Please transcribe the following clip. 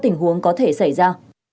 tình huống có thể xảy ra